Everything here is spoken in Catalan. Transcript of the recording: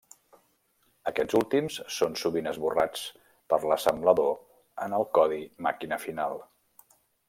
Aquests últims són sovint esborrats per l'assemblador en el codi màquina final.